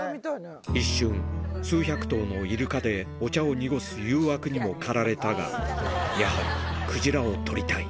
一瞬、数百頭のイルカでお茶を濁す誘惑にも駆られたが、やはり、クジラを撮りたい。